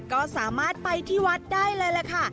ก็สามารถไปที่วัดได้เลยล่ะค่ะ